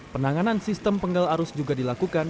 penanganan sistem penggal arus juga dilakukan